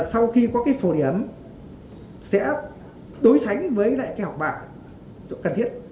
sau khi có cái phổ điểm sẽ đối sánh với lại cái học bạ chỗ cần thiết